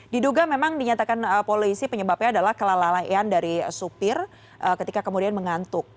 diduga memang dinyatakan polisi penyebabnya adalah kelalaian dari supir ketika kemudian mengantuk